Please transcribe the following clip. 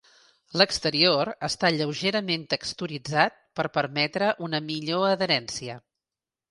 L'exterior està lleugerament texturitzat per permetre una millor adherència.